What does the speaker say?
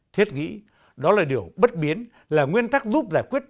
thiết nghĩ đó là điều bất biến là nguyên tắc giúp giải quyết